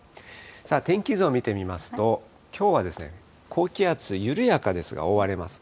さあ、天気図を見てみますと、きょうは高気圧、緩やかですが、覆われます。